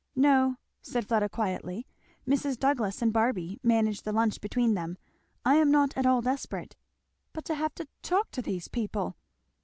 "No," said Fleda quietly, "Mrs. Douglass and Barby manage the lunch between them. I am not at all desperate." "But to have to talk to these people!"